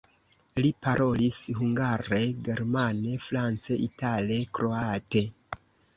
Li parolis hungare, germane, france, itale, kroate.